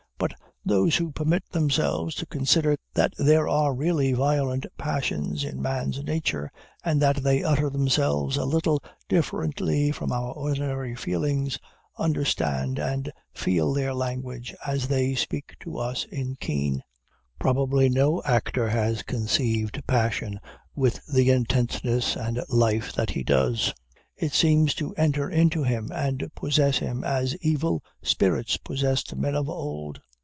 But those who permit themselves to consider that there are really violent passions in man's nature, and that they utter themselves a little differently from our ordinary feelings, understand and feel their language as they speak to us in Kean. Probably no actor has conceived passion with the intenseness and life that he does. It seems to enter into him and possess him, as evil spirits possessed men of old.